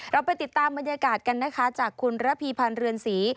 เราไปติดตามบรรยากาศกันนะคะจากคุณระพีพันธ์เรือนศรี